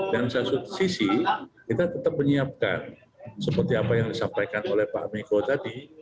dan di satu sisi kita tetap menyiapkan seperti apa yang disampaikan oleh pak amiko tadi